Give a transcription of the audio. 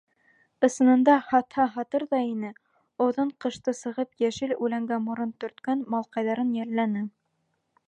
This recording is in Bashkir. Ысынында һатһа һатыр ҙа ине, оҙон ҡышты сығып йәшел үләнгә морон төрткән малҡайҙарын йәлләне.